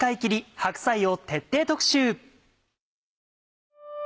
白菜を徹底特集。